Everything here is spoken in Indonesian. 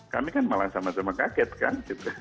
kami kan malah sama sama kaget kan